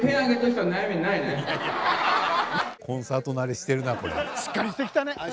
しっかりしてきたね。